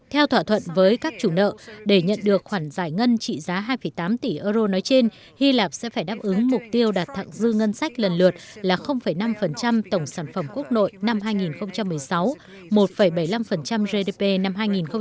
theo thỏa thuận với các chủ nợ để nhận được khoản giải ngân trị giá hai tám tỷ euro nói trên hy lạp sẽ phải đáp ứng mục tiêu đạt thẳng dư ngân sách lần lượt là năm tổng sản phẩm quốc nội năm hai nghìn một mươi sáu một bảy mươi năm gdp năm hai nghìn một mươi tám